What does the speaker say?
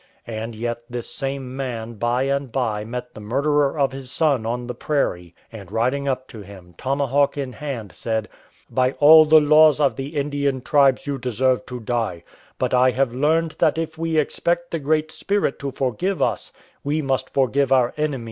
And yet this same man by and by met the murderer of his son on the prairie, and riding up to him, tomahawk in hand, said :" By all the laws of the Indian tribes you deserve to die ; but I have learned that if we expect the Great Spirit to forgive us, we must forgive our enemies, and therefore I forgive you."